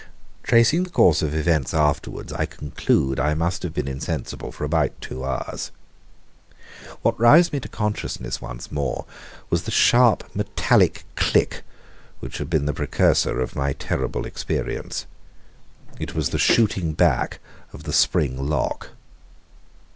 Tracing the course of events afterwards, I conclude that I must have been insensible for about two hours. What roused me to consciousness once more was that sharp metallic click which had been the precursor of my terrible experience. It was the shooting back of the spring lock.